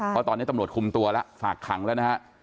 เพราะตอนนี้ตำรวจคุมตัวแล้วฝากขังแล้วนะฮะ